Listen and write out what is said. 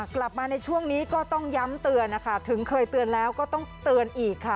กลับมาในช่วงนี้ก็ต้องย้ำเตือนนะคะถึงเคยเตือนแล้วก็ต้องเตือนอีกค่ะ